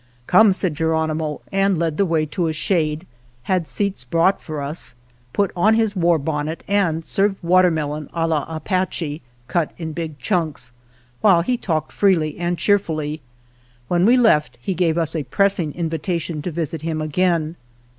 " Come," said Geronimo, and led the way to a shade, had seats brought for us, put on his war bonnet, and served watermelon a V Apache (cut in big chunks), while he talked freely and cheerfully. When we left he gave us a pressing invitation to visit him again.